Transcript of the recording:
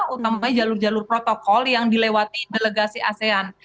utamanya jalur jalur protokol yang dilewati delegasi asean